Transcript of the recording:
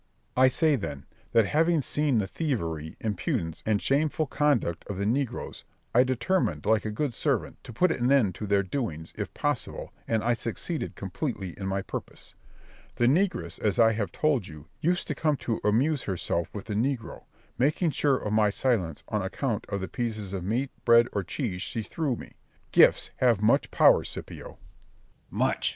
I say, then, that having seen the thievery, impudence, and shameful conduct of the negroes, I determined, like a good servant, to put an end to their doings, if possible, and I succeeded completely in my purpose. The negress, as I have told you, used to come to amuse herself with the negro, making sure of my silence on account of the pieces of meat, bread, or cheese she threw me. Gifts have much power, Scipio. Scip. Much.